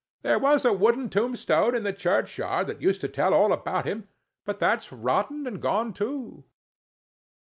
There was a wooden tombstone in the church yard that used to tell all about him, but that's rotten and gone too."